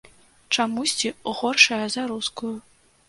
Чамусьці горшая за рускую.